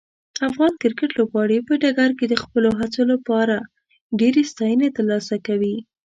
افغان کرکټ لوبغاړي په ډګر کې د خپلو هڅو لپاره ډیرې ستاینې ترلاسه کوي.